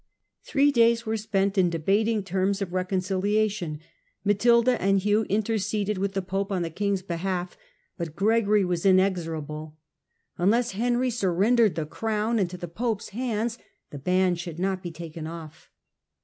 Three days were spent in debating terms of reconciliation ; Matilda and Hugh interceded with the pope on the king's behalf, but Gregory was inexorable; unless Henry surrendered the crown into the pope's hands the ban ^ should not be taken off.